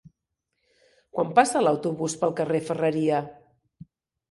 Quan passa l'autobús pel carrer Ferreria?